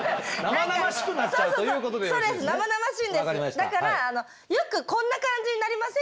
だからよくこんな感じになりません？